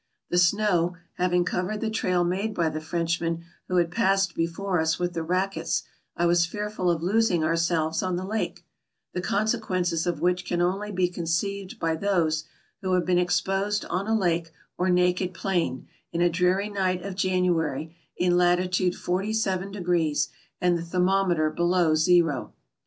The snow having covered the trail made by the Frenchmen who had passed before us with the rackets, I was fearful of losing ourselves on the lake ; the consequences of which can only be con ceived by those who have been exposed on a lake or naked plain, in a dreary night of January, in latitude 470, and the thermometer below zero.